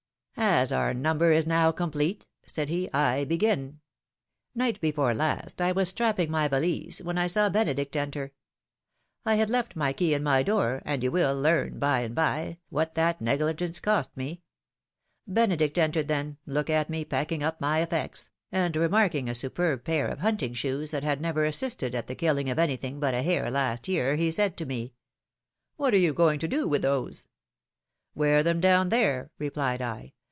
^^As our number is now complete,^^ said he, I begin : Night before last I w^as strapping my valise, when I saw Benedict enter; I had left my key in my door, and you will learn, by and by, what that negligence cost me ! Benedict entered then, looked at me packing up my effects, and remarking a superb pair of hunting shoes, that had never assisted at the killing of anything but a hare last year, he said to me; What are you going to do with those Wear them down there,' rej)lied I.